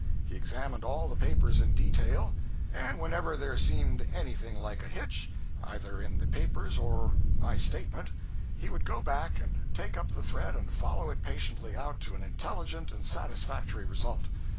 He examined all the papers in detail, and whenever there seemed anything like a hitch, either in the papers or my statement, he would go back and take up the thread and follow it patiently out to an intelligent and satisfactory result.